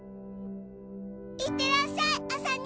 いってらっしゃいアサ兄！